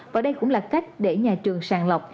và đây cũng là cách để nhà trường sàng lọc